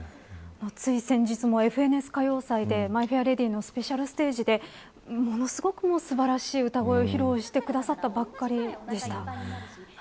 つい先日も、ＦＮＳ歌謡祭でマイ・フェア・レディのスペシャルステージでものすごく素晴らしい歌声を披露してくださったばっかりでした。